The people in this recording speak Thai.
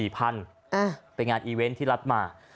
ไปงานอีเวนท์ที่รัดมา